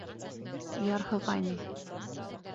Ярһығайным.